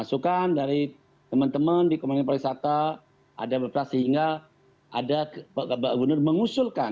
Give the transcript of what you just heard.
tentu memang dari teman teman di komunikasi pariwisata ada beberapa sehingga ada mengusulkan